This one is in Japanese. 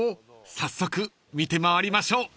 ［早速見て回りましょう］